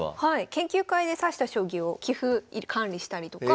研究会で指した将棋を棋譜管理したりとか。